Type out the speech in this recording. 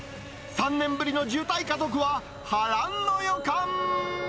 ３年ぶりの渋滞家族は波乱の予感。